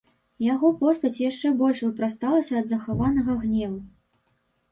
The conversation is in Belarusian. Яго постаць яшчэ больш выпрасталася ад захаванага гневу.